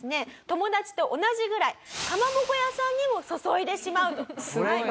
友達と同じぐらいかまぼこ屋さんにも注いでしまうという。